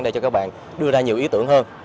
để cho các bạn đưa ra nhiều ý tưởng hơn